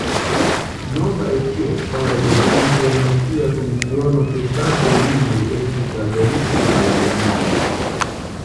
Norda Epiro fare de internacia komisiono pri ŝtataj limoj estis donita al Albanio.